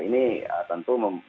ini tentu mempengawasi